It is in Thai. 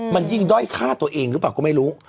มันยิ่งด้อยฆ่าตัวเองหรือเปล่าก็ไม่รู้